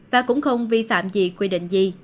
và cũng không vi phạm gì quy định gì